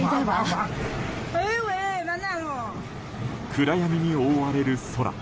暗闇に覆われる空。